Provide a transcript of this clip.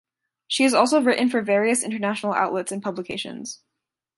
She has also written for various international outlets and publications.